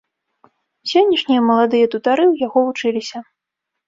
Сённяшнія маладыя дудары ў яго вучыліся.